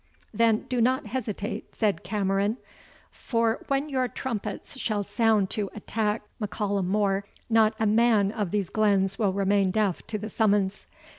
"Then do not hesitate," said Cameron; "for when your trumpets shall sound to attack M'Callum More, not a man of these glens will remain deaf to the summons.